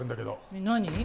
えっ何？